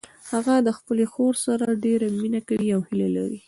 هغه د خپلې خور سره ډیره مینه کوي او هیله لري